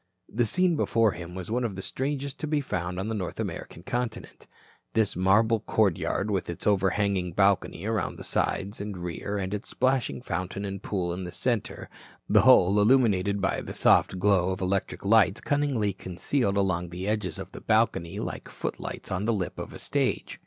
The scene before him was one of the strangest to be found on the North American continent this marble courtyard, with its overhanging balcony around the sides and rear and its splashing fountain and pool in the center, the whole illuminated by the soft glow of electric lights cunningly concealed along the edges of the balcony like footlights on the lip of a stage.